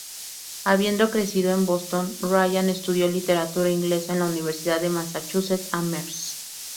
Habiendo crecido en Boston, Ryan estudió Literatura Inglesa en la Universidad de Massachusetts Amherst.